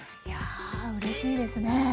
いやうれしいですね！